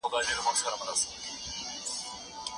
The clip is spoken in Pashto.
عملي سياست د نظري سياست په پرتله خورا ډېر ستونزمن دی.